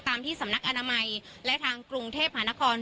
ที่สำนักอนามัยและทางกรุงเทพหานคร